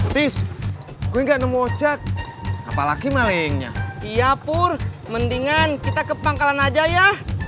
tis gue nggak nemu ocak apalagi malingnya iya pur mendingan kita ke pangkalan aja ya